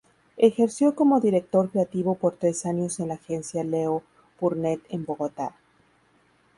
Ejerció como Director Creativo por tres años en la Agencia Leo Burnett en Bogotá.